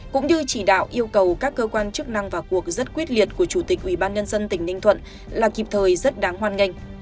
cũng như chỉ đạo yêu cầu các cơ quan chức năng và cuộc rất quyết liệt của chủ tịch ubnd tỉnh ninh thuận là kịp thời rất đáng hoan nghênh